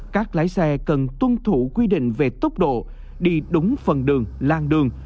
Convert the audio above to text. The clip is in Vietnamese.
các lái xe cần tuân thủ quy định về tốc độ đi đúng phần đường lan đường